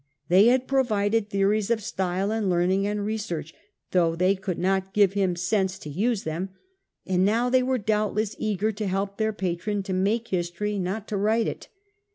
They had provided theories of style and learning and research, though they could not give him sense to use them, and now they were doubtless eager to help their patron to make history, not to write it.